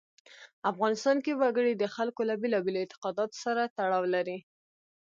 افغانستان کې وګړي د خلکو له بېلابېلو اعتقاداتو سره تړاو لري.